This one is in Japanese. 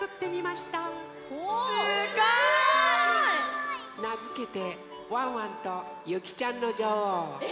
すごい！なづけて「ワンワンとゆきちゃんのじょおう」。